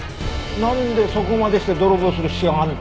なんでそこまでして泥棒する必要があるの？